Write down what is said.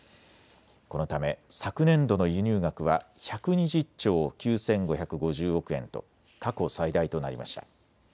このため昨年度の輸入額は１２０兆９５５０億円と過去最大となりました。